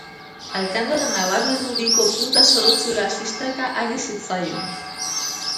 Alkandoran nabarmenduriko punta zorrotz hura ziztaka ari zitzaion.